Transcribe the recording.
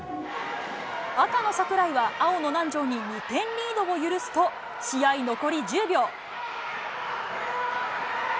赤の櫻井は青の南條に２点リードを許すと、試合残り１０秒。